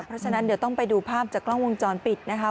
เพราะฉะนั้นเดี๋ยวต้องไปดูภาพจากกล้องวงจรปิดนะคะ